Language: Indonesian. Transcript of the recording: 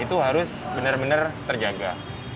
itu harus benar benar terjaga